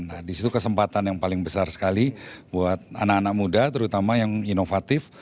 nah disitu kesempatan yang paling besar sekali buat anak anak muda terutama yang inovatif